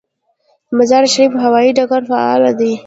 د مزار شریف هوايي ډګر فعال دی